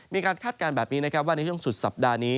มีการคาดการณ์แบบนี้ว่าในช่วงสุดสัปดาห์นี้